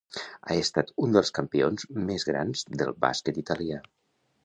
Ha estat un dels campions més grans del bàsquet italià.